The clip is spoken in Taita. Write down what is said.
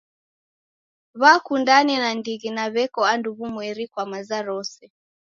W'akundane nandighi na w'eko andu w'umweri kwa maza rose.